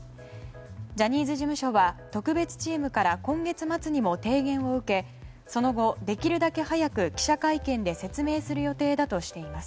ジャニーズ事務所は特別チームから今月末にも提言を受けその後、できるだけ早く記者会見で説明する予定だとしています。